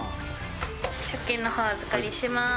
食券の方お預かりします。